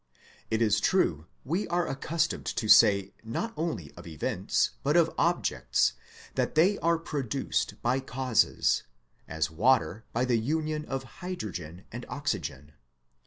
It is true we are accustomed to say not only of events, but of objects, that they are produced by causes, as water by the union of hydrogen and oxygen.